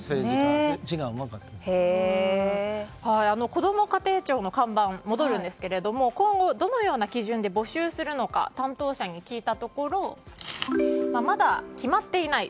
こども家庭庁の看板の話に戻るんですが今後、どのような基準で募集するのか担当者に聞いたところまだ決まっていない。